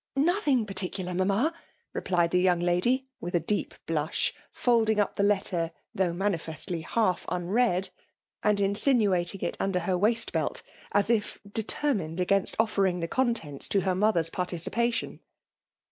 " Nothing particular, mamma!" replied the young lady, with a deep blush, folding up the letter, though manifestly half unread; and b2 4 FBMALB ODHllfATIOM. inahmating it under her waistbeit,: as if deter mined against offering the contents to her ' mother's participation.